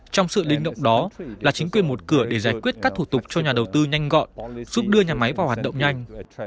trong sự linh động đó là chính quyền một cửa để giải quyết các thủ tục cho nhà đầu tư nhanh gọn giúp đưa nhà máy vào hoạt động nhanh